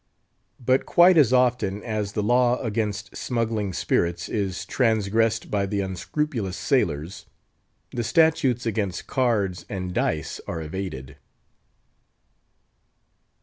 But quite as often as the law against smuggling spirits is transgressed by the unscrupulous sailors, the statutes against cards and dice are evaded.